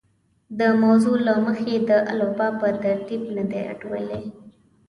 د موضوع له مخې د الفبا په ترتیب نه دي اوډلي.